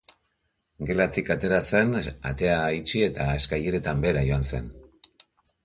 Gelatik atera zen, atea itxi eta eskaileretan behera joan zen.